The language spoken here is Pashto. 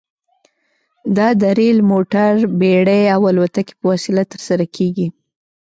دا د ریل، موټر، بېړۍ او الوتکې په وسیله ترسره کیږي.